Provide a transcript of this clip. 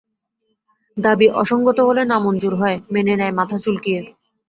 দাবি অসংগত হলে নামঞ্জুর হয়, মেনে নেয় মাথা চুলকিয়ে।